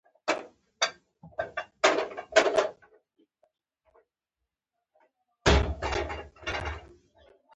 حیوانات مختلف قدونه لري.